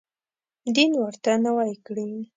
دین ورته نوی کړي.